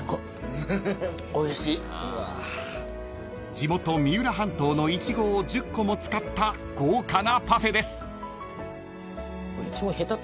［地元三浦半島のイチゴを１０個も使った豪華なパフェです］